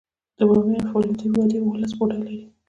د بامیانو فولادي وادي اوولس بودا لري